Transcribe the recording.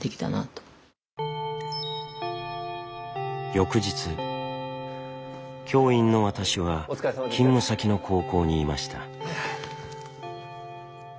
翌日教員の私は勤務先の高校にいました。